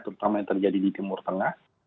terutama yang terjadi di timur tengah